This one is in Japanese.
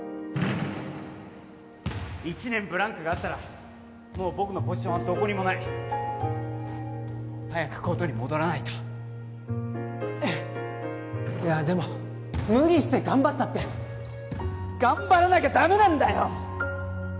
１年ブランクがあったらもう僕のポジションはどこにもない早くコートに戻らないといやでも無理して頑張ったって頑張らなきゃダメなんだよ！